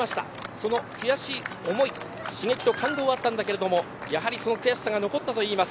その悔しい思い刺激と感動あったけどその悔しさが残ったといいます。